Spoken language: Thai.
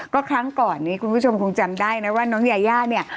ก็ครั้งก่อนนี้คุณผู้ชมคงจำได้นะว่าน้องยาย่าเนี่ย